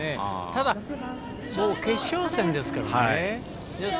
ただ、決勝戦ですから。